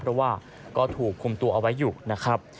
เพราะว่าก็ถูกคุมตัวเอาไว้อยู่นะครับ